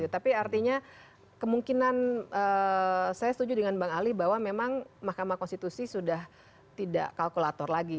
tapi artinya kemungkinan saya setuju dengan bang ali bahwa memang mahkamah konstitusi sudah tidak kalkulator lagi